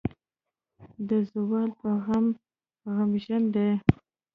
د زوال پۀ غم غمژن دے ۔